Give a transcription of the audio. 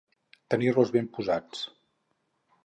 Tenir-los ben posats.